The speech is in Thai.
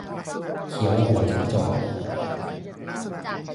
เขียวหัวจิ้งจก